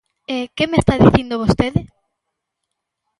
E ¿que me está dicindo vostede?